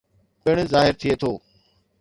پڻ ظاهر ٿئي ٿو